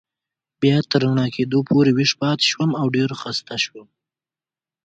بیا تر رڼا کېدو پورې ویښ پاتې شوم او ډېر و خسته شوم.